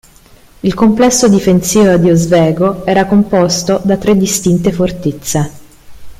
Il complesso difensivo di Oswego era composto da tre distinte fortezze.